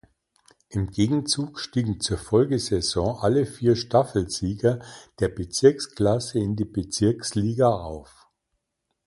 Im Gegenzug stiegen zur Folgesaison alle vier Staffelsieger der Bezirksklasse in die Bezirksliga auf.